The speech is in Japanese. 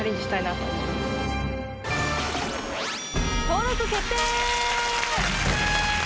登録決定！